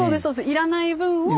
いらない分を。